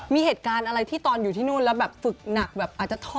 มีเหตุการณ์อะไรที่ตอนอยู่ที่นู่นแล้วแบบฝึกหนักแบบอาจจะท้อ